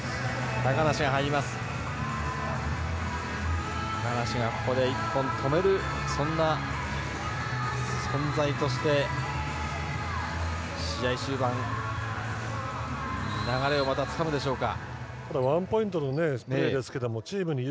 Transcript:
高梨がここで１本止めるそんな存在として試合終盤流れをまたつかむでしょうか。